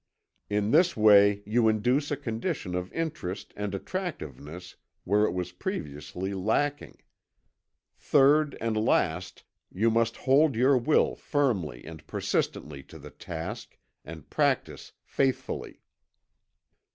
In this way you induce a condition of interest and attractiveness where it was previously lacking. Third and last, you must hold your will firmly and persistently to the task, and practice faithfully.